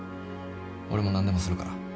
俺も何でもするから。